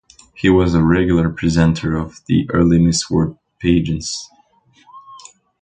He was a regular presenter of the early Miss World pageants.